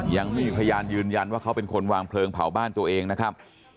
ยังไม่มีพยานยืนยันว่าเขาเป็นคนวางเพลิงเผาบ้านตัวเองนะครับ